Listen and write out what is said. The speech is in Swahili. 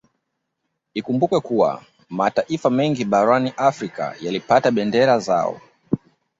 Ikumbukwe kuwa mataifa mengi barani Afrika yalipata bendera zao